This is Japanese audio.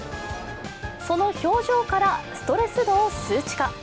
その表情からストレス度を数値化。